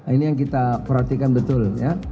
ini yang kita perhatikan betul ya